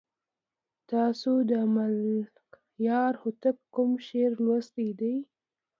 تاسو د ملکیار هوتک کوم شعر لوستی دی؟